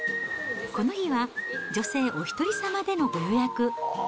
この日は、女性お１人様でのご予約。